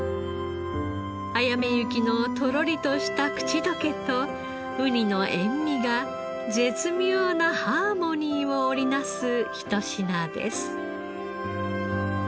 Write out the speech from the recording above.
あやめ雪のとろりとした口溶けとウニの塩味が絶妙なハーモニーを織り成す一品です。